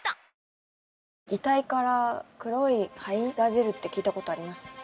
遺体から黒い灰が出るって聞いたことあります？